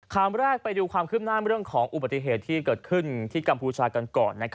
คำแรกไปดูความคืบหน้าเรื่องของอุบัติเหตุที่เกิดขึ้นที่กัมพูชากันก่อน